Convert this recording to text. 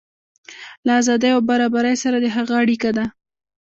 له ازادۍ او برابرۍ سره د هغه اړیکه ده.